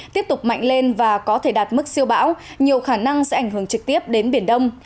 tiếp tục mạnh lên và có thể đạt mức siêu bão nhiều khả năng sẽ ảnh hưởng trực tiếp đến biển đông